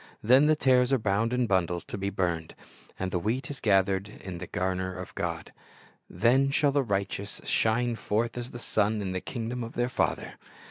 Then the tares are bound in bundles to be burned, and the wheat is gathered into the garner of God. "Then shall the righteous shine forth as the sun in the kingdom of their Father."